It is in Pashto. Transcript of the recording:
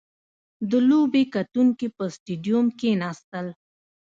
• د لوبې کتونکي په سټېډیوم کښېناستل.